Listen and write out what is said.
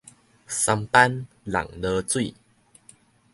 三斑弄濁水